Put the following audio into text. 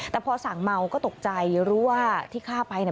แต่พอสั่งเมาก็ตกใจรู้ว่าที่ฆ่าไปเนี่ย